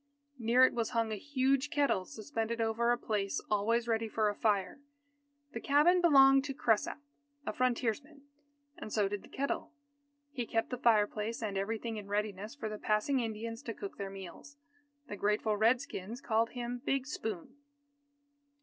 Near it was hung a huge kettle suspended over a place always ready for a fire. The cabin belonged to Cresap, a frontiersman, and so did the kettle. He kept the fireplace and everything in readiness for the passing Indians to cook their meals. The grateful Red Skins called him "Big Spoon."